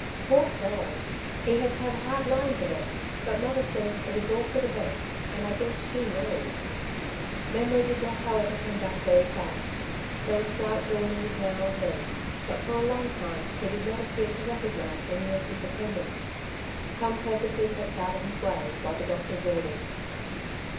. Poor fellow ! he has had hard lines of it ; but mother says it is all for the best, and I guess she knows/' Memory did not however come back very fast ; there were slight dawnings now and then, but for a long time he did not appear to recognize any of his attendants. Tom purposely kept out of his way, by the doctor's orders.